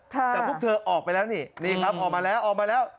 แต่พวกเธอออกไปแล้วนี่นี่ครับออกมาแล้วออกมาแล้ว